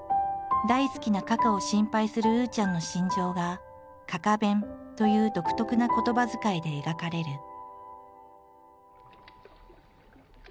大好きなかかを心配するうーちゃんの心情が「かか弁」という独特な言葉遣いで描かれる。